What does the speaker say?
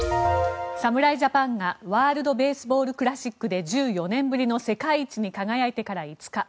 侍ジャパンがワールド・ベースボール・クラシックで１４年ぶりの世界一に輝いてから５日。